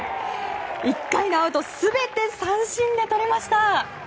１回のアウト全て三振で取りました。